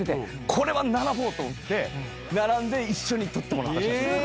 これは並ぼう！と思って並んで一緒に撮ってもらった写真。